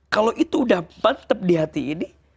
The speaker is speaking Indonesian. kalau itu sudah mantap di hati ini